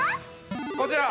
◆こちら！